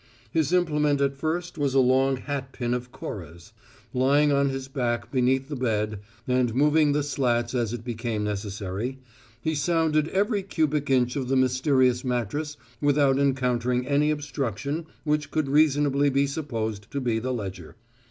His implement at first was a long hatpin of Cora's. Lying on his back beneath the bed, and, moving the slats as it became necessary, he sounded every cubic inch of the mysterious mattress without encountering any obstruction which could reasonably be supposed to be the ledger.